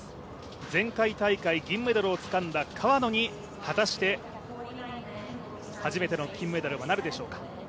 前回大会銀メダルをつかんだ川野に果たして初めての金メダルはなるでしょうか。